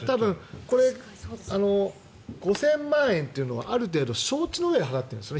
これ５０００万円というのはある程度、承知のうえで払ってるんです。